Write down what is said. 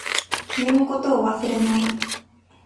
君のことを忘れられない